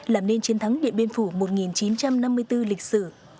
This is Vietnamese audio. làm nên chiến thắng điện biên phủ một nghìn chín trăm năm mươi bốn lịch sử